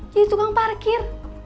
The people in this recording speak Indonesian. jadi tukang parkir